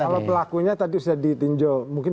kalau pelakunya tadi sudah ditinjau mungkin